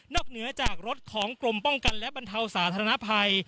เหนือจากรถของกรมป้องกันและบรรเทาสาธารณภัย